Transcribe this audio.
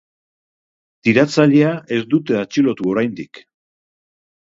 Tiratzailea ez dute atxilotu oraindik.